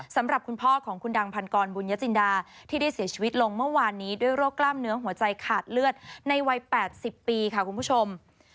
สำหรับคุณพ่อของคุณดังพันกรบุญญจินดาที่ได้เสียชีวิตลงเมื่อวานนี้ด้วยโรคกล้ามเนื้อหัวใจขาดเลือดในวัย๘๐ปีค่ะคุณผู้ชม